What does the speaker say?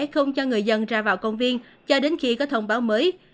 không cho người dân ra vào công viên cho đến khi có thông báo mới